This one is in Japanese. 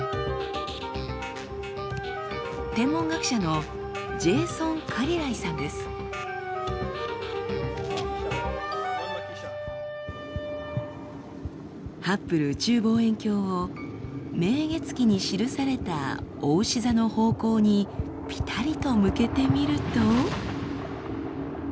天文学者のハッブル宇宙望遠鏡を「明月記」に記されたおうし座の方向にぴたりと向けてみると。